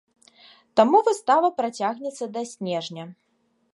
Таму выстава працягнецца да снежня.